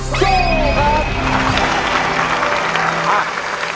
สู้ครับ